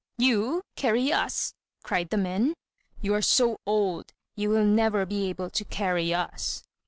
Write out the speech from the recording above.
"You carry us!" cried the men. "You are so old, you will never be able to carry us."